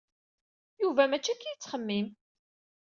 Yuba mačči akka i yettxemmim.